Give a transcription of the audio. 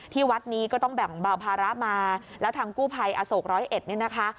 ที่วัดนี้ก็ต้องแบ่งเบาภาระมาแล้วทางกู้ภัยอโศกร้อยเอ็ดเนี่ยนะคะ